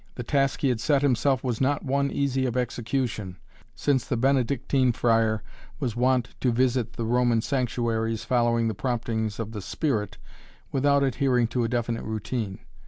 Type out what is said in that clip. The task he had set himself was not one easy of execution, since the Benedictine friar was wont to visit the Roman sanctuaries following the promptings of the spirit without adhering to a definite routine.